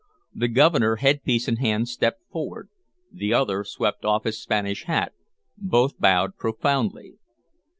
The Governor, headpiece in hand, stepped forward; the other swept off his Spanish hat; both bowed profoundly.